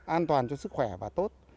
an toàn cho sức khỏe và tốt